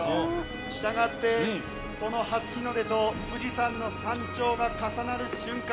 したがって、この初日の出と富士山の山頂が重なる瞬間